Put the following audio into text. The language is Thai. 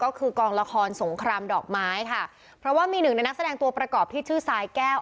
ก็คือกองละครสงครามดอกไม้ค่ะเพราะว่ามีหนึ่งในนักแสดงตัวประกอบที่ชื่อสายแก้ว